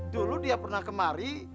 dulu dia pernah kemari